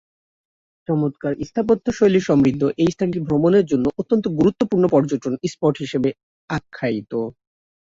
চমৎকার স্থাপত্যশৈলী সমৃদ্ধ এই স্থানটি ভ্রমণের জন্য অত্যন্ত গুরুত্বপূর্ণ পর্যটন স্পট হিসেবে আখ্যায়িত।